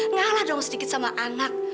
ngalah dong sedikit sama anak